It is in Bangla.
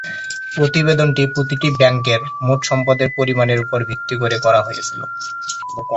প্রতিবেদনটি প্রতিটি ব্যাংকের মোট সম্পদের পরিমানের উপর ভিত্তি করে করা হয়েছিল।